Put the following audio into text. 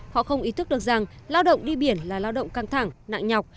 họ không ý thức được rằng lao động đi biển là lao động căng thẳng nặng nhọc